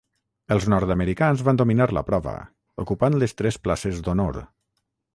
Els nord-americans van dominar la prova, ocupant les tres places d'honor.